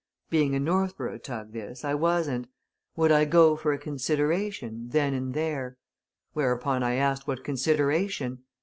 Being a Northborough tug, this, I wasn't. Would I go for a consideration then and there? Whereupon I asked what consideration?